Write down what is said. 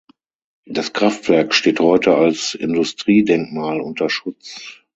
Das Kraftwerk steht heute als Industriedenkmal unter Schutz.